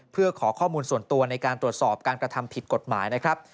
เพื่อขอข้อมูลส่วนตัวในการตรวจสอบการกระทำผิดกฎหมายนะครับ